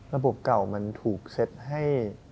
ระบบเก่ามันถูกเซ็ตให้